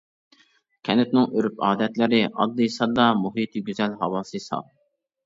كەنتنىڭ ئۆرپ-ئادەتلىرى ئاددىي-ساددا، مۇھىتى گۈزەل، ھاۋاسى ساپ.